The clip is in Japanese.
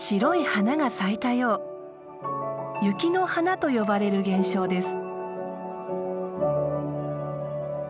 「雪の華」と呼ばれる現象です。